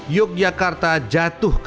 yogyakarta jatuh ketiga